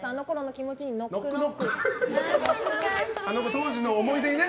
当時の思い出にね